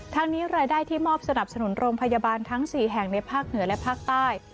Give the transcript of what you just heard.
ทั้งนี้รายได้ที่มอบสนับสนุนโรงพยาบาลทั้ง๔แห่งในภาคเหนือและภาคใต้